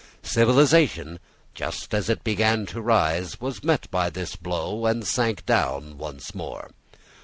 Civilization, just as it began to rise, was met by this blow, and sank down once more.